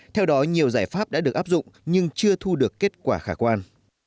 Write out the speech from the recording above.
theo đó nhiều giải pháp đã được áp dụng nhưng chưa thu được kết quả khả quan